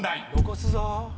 残すぞ。